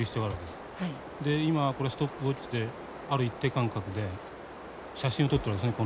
で今これストップウォッチである一定間隔で写真を撮ってるんですね